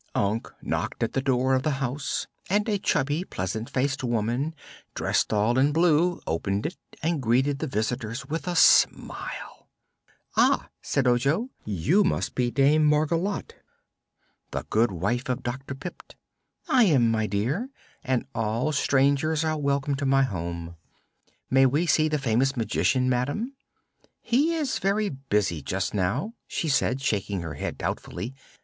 Unc knocked at the door of the house and a chubby, pleasant faced woman, dressed all in blue, opened it and greeted the visitors with a smile. "Ah," said Ojo; "you must be Dame Margolotte, the good wife of Dr. Pipt." "I am, my dear, and all strangers are welcome to my home." "May we see the famous Magician, Madam?" "He is very busy just now," she said, shaking her head doubtfully.